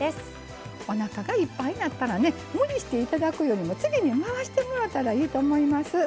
おなかがいっぱいになったらね無理して頂くよりも次に回してもらったらいいと思います。